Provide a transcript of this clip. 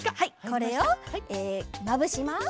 これをまぶします。